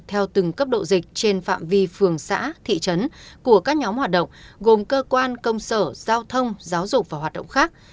theo từng cấp độ dịch trên phạm vi phường xã thị trấn của các nhóm hoạt động gồm cơ quan công sở giao thông giáo dục và hoạt động khác